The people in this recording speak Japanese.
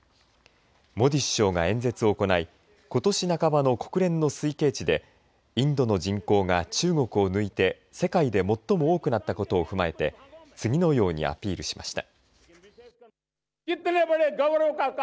モディ首相が演説を行いことし半ばの国連の推計値でインドの人口が中国を抜いて世界で最も多くなったことを踏まえて次のようにアピールしました。